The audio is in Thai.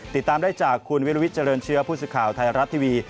ติดตามได้จากคุณวิลวิทเจริญเชื้อผู้สื่อข่าวไทยรัฐทีวี